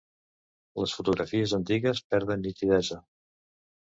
Les fotografies antigues perden nitidesa.